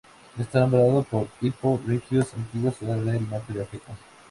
Está nombrado por Hippo Regius, antigua ciudad del norte de África.